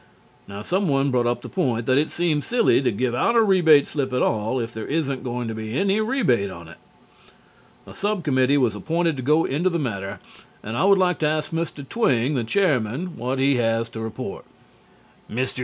Now, someone brought up the point that it seems silly to give out a rebate slip at all if there isn't going to be any rebate on it. A sub committee was appointed to go into the matter, and I would like to ask Mr. Twing, the chairman, what he has to report." Mr.